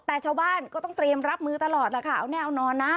แต่ชาวบ้านก็ต้องเตรียมรับมือตลอดล่ะค่ะเอาแน่นอนนะ